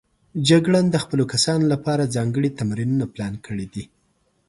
جګړن د خپلو کسانو لپاره ځانګړي تمرینونه پلان کړي دي.